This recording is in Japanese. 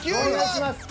お願いします。